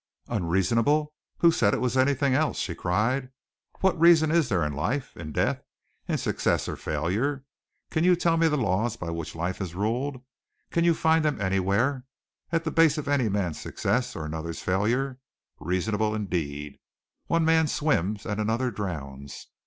"Unreasonable! Who said it was anything else?" she cried. "What reason is there in life, in death, in success or failure? Can you tell me the laws by which life is ruled, can you find them anywhere, at the base of any man's success or another's failure? Reasonable, indeed! One man swims and another drowns.